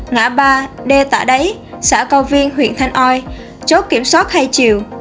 ngã ba đê tả đáy xã cao viên huyện thanh oi chốt kiểm soát hai chiều